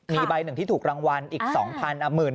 มีใบหนึ่งที่ถูกรางวัลอีก๒๐๐๐อ่ะ๑๑๐๐๐